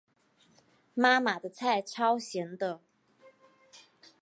妈妈的菜超咸的